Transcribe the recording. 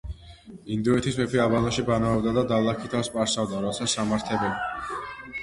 ინდოეთის მეფე აბანოში ბანაობდა და დალაქი თავს პარსავდა. როცა სამართებელი